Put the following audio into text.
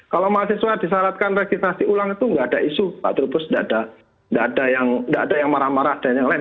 kalau mahasiswa disyaratkan registrasi ulang itu nggak ada isu pak trubus tidak ada yang marah marah dan yang lain